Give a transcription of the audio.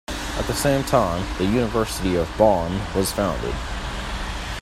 At the same time, the University of Bonn was founded.